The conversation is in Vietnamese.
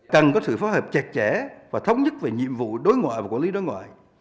cần có sự phối hợp chặt chẽ và thống nhất về nhiệm vụ đối ngoại và quản lý đối ngoại